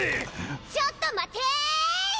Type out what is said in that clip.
ちょっと待てい！